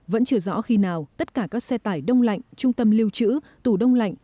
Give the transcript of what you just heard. vẫn chưa rõ khi nào tất cả các xe tải đông lạnh trung tâm lưu trữ tủ đông lạnh